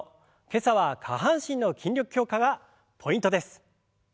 今朝は下半身の筋力強化がポイントです。